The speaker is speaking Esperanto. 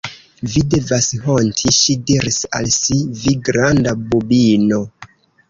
"Vi devas honti," ŝi diris al si, "vi granda bubino!"